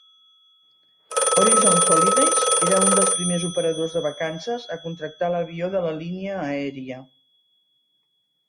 Horizon Holidays era un dels primers operadors de vacances a contractar l'avió de la línia aèria.